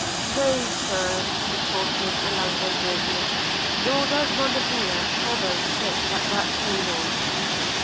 'No, Sir,' retorted Orlando warmly; 'nor does Monimia ever sit at that table.'